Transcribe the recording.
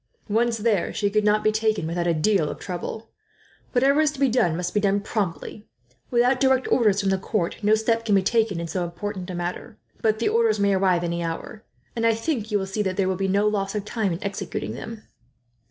Once there, she could not be taken without a deal of trouble. Whatever is to be done must be done promptly. Without direct orders from the court, no step can be taken in so important a matter. But the orders may arrive any hour, and I think you will see that there will be no loss of time in executing them."